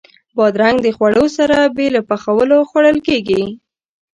بادرنګ د خوړو سره بې له پخولو خوړل کېږي.